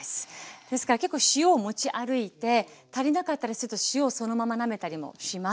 ですから結構塩を持ち歩いて足りなかったらちょっと塩をそのままなめたりもします。